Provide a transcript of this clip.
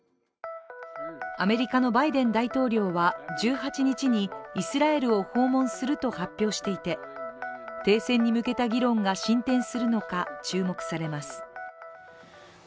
アメリカのバイデン大統領は１８日にイスラエルを訪問すると発表していて停戦に向けた議論が進展するのか注目されます。